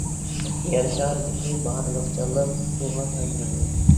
يەر شارىدىكى بارلىق جانلىق سۇغا تايىنىدۇ.